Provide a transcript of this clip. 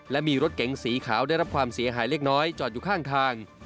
และมีรถเก๋งสีขาวได้รับความเสียหายเล็กน้อยจอดอยู่ข้างทาง